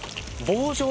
棒状